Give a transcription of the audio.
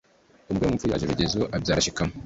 Umugore w’umupfu, yaje rugezo abyara shikama.